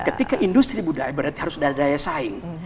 ketika industri budaya berarti harus ada daya saing